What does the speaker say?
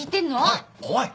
おい！